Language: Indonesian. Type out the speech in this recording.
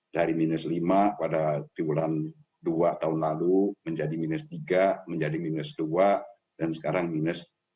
dari minus lima pada tribulan dua tahun lalu menjadi minus tiga menjadi minus dua dan sekarang minus dua